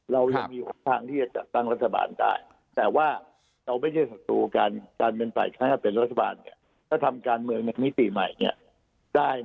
เรายังมี๖พาร์ทที่จะจัดตั้งรัฐบาลได้